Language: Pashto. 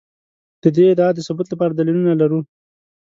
د دې ادعا د ثبوت لپاره دلیلونه لرو.